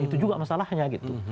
itu juga masalahnya gitu